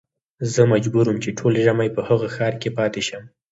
زه مجبور وم چې ټول ژمی په هغه ښار کې پاته شم.